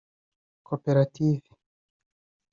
koperative